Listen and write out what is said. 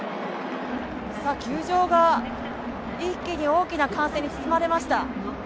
球場が一気に大きな歓声に包まれました。